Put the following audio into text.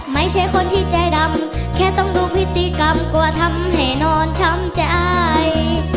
ไม่ใช่คนที่ใจดำแค่ต้องดูพฤติกรรมก็ทำให้นอนช้ำใจ